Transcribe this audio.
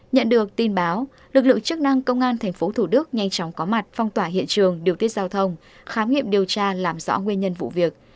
nhận được tin báo lực lượng chức năng công an tp thủ đức nhanh chóng có mặt phong tỏa hiện trường điều tiết giao thông khám nghiệm điều tra làm rõ nguyên nhân vụ việc